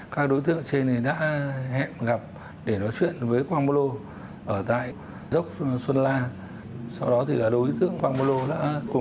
các đối tượng trên đã hẹn gặp để nói chuyện với quang bà lô ở tại dốc xuân la